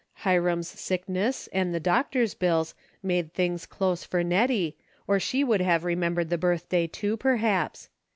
Hiram's sickness and the doctor's bills made things close for Nettie or she Avould have re membered the birthday, too, perhaps.